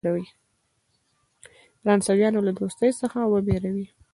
فرانسویانو له دوستی څخه وبېروي.